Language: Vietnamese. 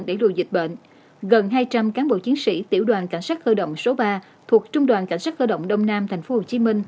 đẩy lùi dịch bệnh gần hai trăm linh cán bộ chiến sĩ tiểu đoàn cảnh sát cơ động số ba thuộc trung đoàn cảnh sát cơ động đông nam tp hcm